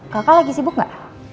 kakak lagi sibuk enggak